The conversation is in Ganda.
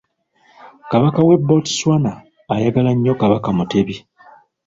Kabaka w'e Botswana ayagala nnyo Kabaka Mutebi.